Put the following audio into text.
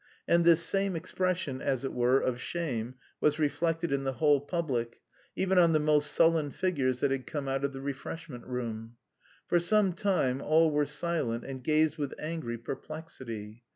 And this same expression, as it were, of shame was reflected in the whole public, even on the most sullen figures that had come out of the refreshment room. For some time all were silent and gazed with angry perplexity.